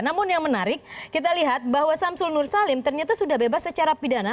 namun yang menarik kita lihat bahwa syamsul nursalim ternyata sudah bebas secara pidana